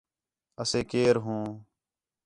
اَسے کیئر ہوں